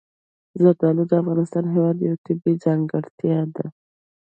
زردالو د افغانستان هېواد یوه طبیعي ځانګړتیا ده.